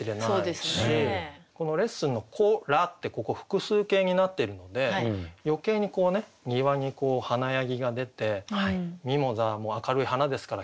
この「レッスンの子ら」ってここ複数形になっているので余計にこうね庭に華やぎが出てミモザも明るい花ですから黄色いね。